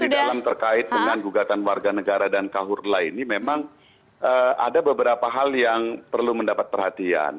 di dalam terkait dengan gugatan warga negara dan kahurla ini memang ada beberapa hal yang perlu mendapat perhatian